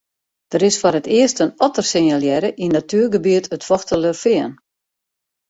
Der is foar it earst in otter sinjalearre yn natuergebiet it Fochtelerfean.